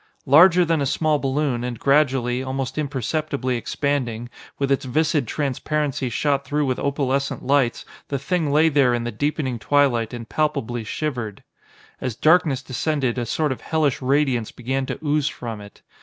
Larger than a small balloon, and gradually, almost imperceptibly expanding, with its viscid transparency shot through with opalescent lights, the Thing lay there in the deepening twilight and palpably shivered. As darkness descended, a sort of hellish radiance began to ooze from it.